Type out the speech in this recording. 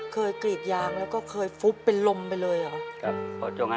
เคยกรีดยางแล้วก็เคยฟุบเป็นลมไปเลยอะ